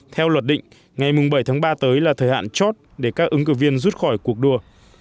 theo luật định ngày bảy tháng ba tới là thời hạn chót để các ứng cử viên rút khỏi cuộc đua